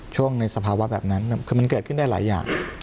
ช่วงในสภาวะแบบนั้นคือมันเกิดขึ้นได้หลายอย่าง